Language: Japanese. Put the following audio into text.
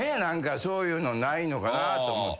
そういうのないのかなと思って。